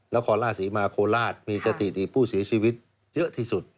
แล้วคอลร่าสีมาโคลาสมีสถิติผู้สีชีวิตเยอะที่สุด